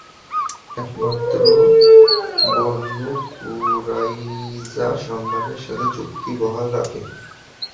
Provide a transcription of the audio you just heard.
একমাত্র বনূ কুরাইজা সম্মানের সাথে চুক্তি বহাল রাখে।